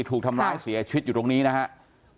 ถูกทำร้ายเสียชีวิตอยู่ตรงนี้นะครับ